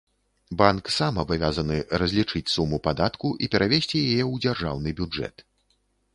Банк сам абавязаны разлічыць суму падатку і перавесці яе ў дзяржаўны бюджэт.